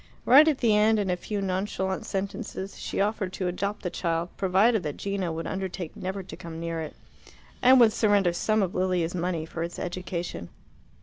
Right at the end, in a few nonchalant sentences, she offered to adopt the child, provided that Gino would undertake never to come near it, and would surrender some of Lilia's money for its education.